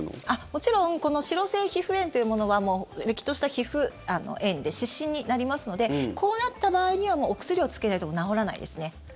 もちろんこの脂漏性皮膚炎というものはもう、れっきとした皮膚炎で湿疹になりますのでこうなった場合にはお薬をつけないと治らないです。